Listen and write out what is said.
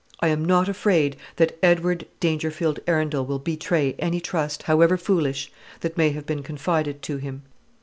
_ I am not afraid that Edward Dangerfield Arundel will betray any trust, however foolish, that may have been confided to him.